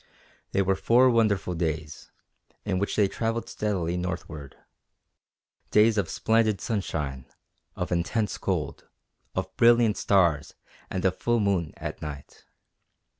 They were four wonderful days, in which they travelled steadily northward; days of splendid sunshine, of intense cold, of brilliant stars and a full moon at night.